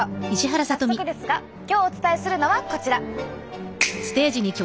早速ですが今日お伝えするのはこちら。